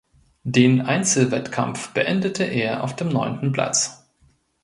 Den Einzelwettkampf beendete er auf dem neunten Platz.